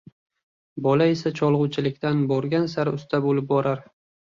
Bola esa cholgʻuchilikda borgan sari usta boʻlib borar